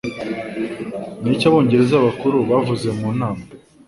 Niki Abongereza Bakuru bavuze mu nama